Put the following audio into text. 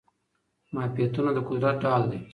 معافیتونه د قدرت ډال دي.